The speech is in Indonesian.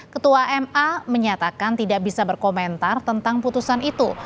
ketua ma menyatakan tidak bisa berkomentar tentang putusan itu